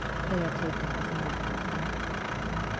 They are taken as a matter of fact.